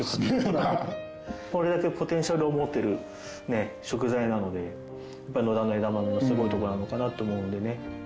これだけポテンシャルを持ってるね食材なので野田の枝豆のすごいとこなのかなと思うんでね。